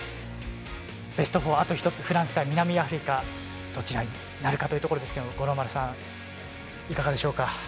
ベスト４あと１つフランス対南アフリカどちらになるかというところ五郎丸さん、いかがでしょうか？